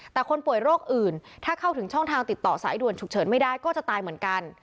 แต่คนป่วยโรคอื่นถ้าเข้าถึงช่องทางติดต่อสายด่วนฉุกเฉินไม่ได้ก็จะตายเหมือนกัน